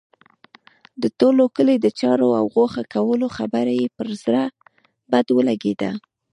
د ټول کلي د چاړه او غوښه کولو خبره یې پر زړه بد ولګېده.